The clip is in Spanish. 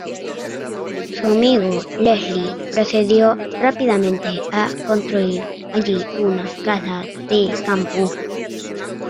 Su amigo Leslie procedió rápidamente a construir allí una casa de campo.